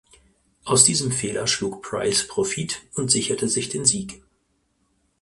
Aus diesem Fehler schlug Price Profit und sicherte sich den Sieg.